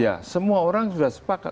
ya semua orang sudah sepakat